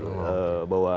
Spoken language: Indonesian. bahwa dia menggunakan aparat